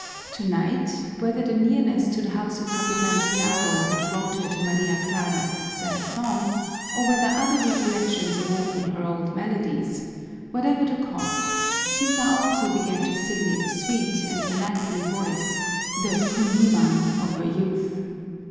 Tonight, whether the nearness to the house of Capitan Tiago had brought to her Maria Clara's sad song or whether other recollections awoke in her old melodies, whatever the cause, Sisa also began to sing in a sweet and melancholy voice the kundíman of her youth.